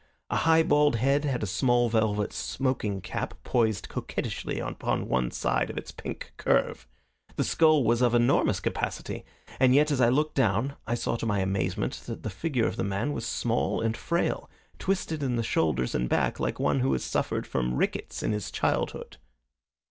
A high bald head had a small velvet smoking cap poised coquettishly upon one side of its pink curve. The skull was of enormous capacity, and yet as I looked down I saw to my amazement that the figure of the man was small and frail, twisted in the shoulders and back like one who has suffered from rickets in his childhood.